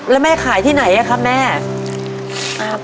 แล้วแม่ขายที่ไหนแคะ